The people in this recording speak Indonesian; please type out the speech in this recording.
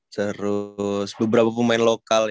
terus beberapa pemain lokalnya